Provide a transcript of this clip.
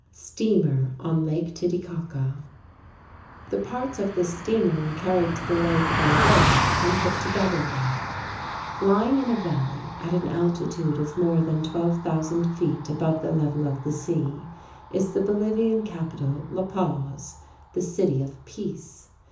[Illustration: STEAMER ON LAKE TITICACA The parts of this steamer were carried to the lake by rail and put together there] Lying in a valley, at an altitude of more than 12,000 feet above the level of the sea, is the Bolivian capital, La Paz, the City of Peace.